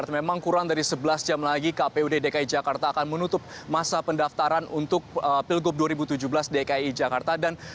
memang kurang dari sebelas jam lagi kpud dki jakarta akan menutup masa pendaftaran untuk pilgub dua ribu tujuh belas dki jakarta